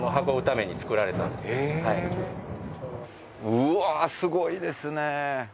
うわすごいですね！